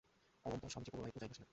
অনন্তর স্বামীজী পুনরায় পূজায় বসিলেন।